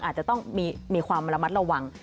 อาจจะต้องมีความระมัดระวัง